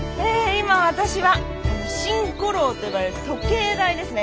今私は辰鼓楼と呼ばれる時計台ですね